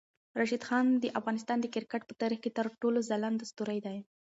راشد خان د افغانستان د کرکټ په تاریخ کې تر ټولو ځلاند ستوری دی.